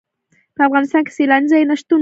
په افغانستان کې سیلانی ځایونه شتون لري.